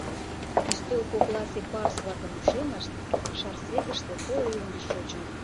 Ӱстел кокласе барс-влакын ушемышт Шарсегыште коло ий ончыч шочын.